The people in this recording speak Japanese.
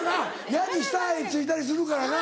ヤニ下へ付いたりするからな。